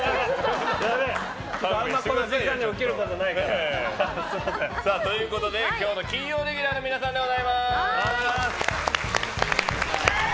やべえ、あんまこの時間に起きることないから。ということで、今日の金曜レギュラーの皆さんです！